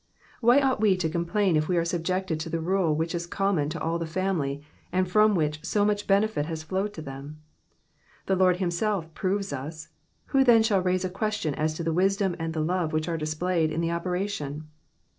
Why ought we to complain if we are subjected to the rule which is common to all the family, and from which so much benefit has Aowed to them ? The Lord himself proves us, who then shall raise a question as to the wisdom and the love which are displayed in the operation